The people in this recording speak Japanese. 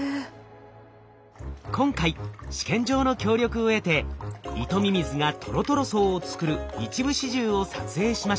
今回試験場の協力を得てイトミミズがトロトロ層を作る一部始終を撮影しました。